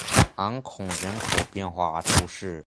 昂孔人口变化图示